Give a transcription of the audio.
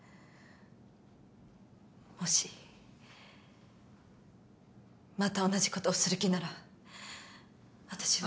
もしまた同じことをする気なら私は。